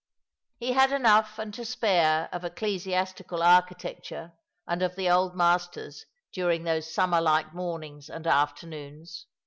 He had enough and to spare of ecclesiastical architecture and of the old masters during those summer like mornings and afternoons.